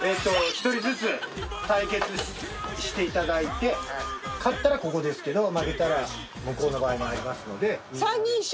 １人ずつ対決していただいて勝ったらここですけど負けたら向こうの場合もありますので。